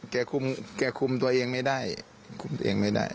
แกคุมตัวเองไม่ได้คุมตัวเองไม่ได้